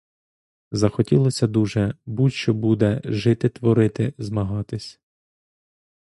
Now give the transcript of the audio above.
Захотілося дуже, будь що буде, жити, творити, змагатись.